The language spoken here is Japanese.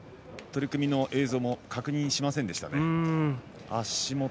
取組の映像も確認しませんでした。